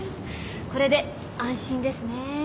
これで安心ですね。